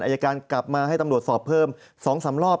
อายการกลับมาให้ตำรวจสอบเพิ่ม๒๓รอบ